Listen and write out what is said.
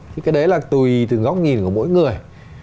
thì cái đấy là tùy từ góc nhìn của mỗi người